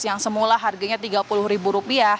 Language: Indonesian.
yang semula harganya rp tiga puluh